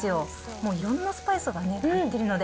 もういろんなスパイスが入っているので。